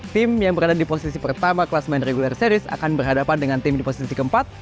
tim yang berada di posisi pertama kelas main regular series akan berhadapan dengan tim di posisi keempat